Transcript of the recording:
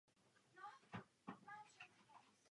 Gambrinus lize.